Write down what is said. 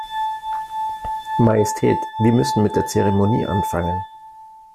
Majestät, wir müssen mit der Zeremonie anfangen.